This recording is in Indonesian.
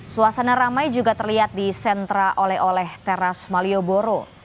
suasana ramai juga terlihat di sentra oleh oleh teras malioboro